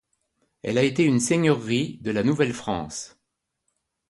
Elle a été une seigneurie de la Nouvelle-France.